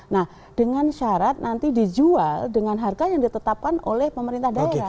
nah dengan syarat nanti dijual dengan harga yang ditetapkan oleh pemerintah daerah